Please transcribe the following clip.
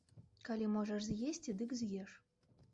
Калі можаш з'есці, дык з'еш.